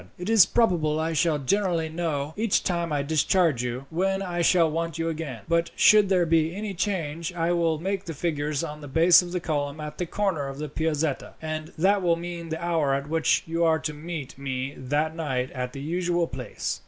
"It is probable I shall generally know, each time I discharge you, when I shall want you again; but should there be any change, I will make the figures on the base of the column at the corner of the Piazzetta, and that will mean the hour at which you are to meet me that night at the usual place."